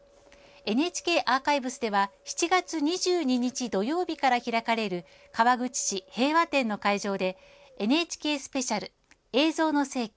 ＮＨＫアーカイブスでは７月２２日、土曜日から開かれる川口市平和展の会場で「ＮＨＫスペシャル映像の世紀」